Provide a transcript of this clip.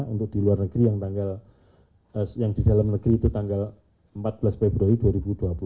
untuk di luar negeri yang tanggal yang di dalam negeri itu tanggal empat belas februari dua ribu dua puluh